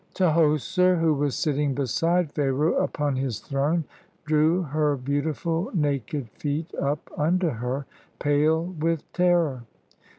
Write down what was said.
Tahoser, who was sitting beside Pharaoh upon his throne, drew her beautiful, naked feet up under her, pale with terror.